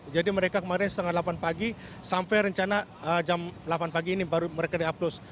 jadi mereka kemarin setengah delapan pagi sampai rencana jam delapan pagi ini baru mereka di upload